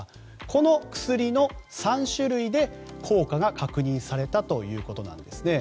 この薬の３種類で効果が確認されたということです。